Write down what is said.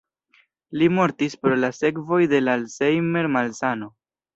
Li mortis pro la sekvoj de la Alzheimer-malsano.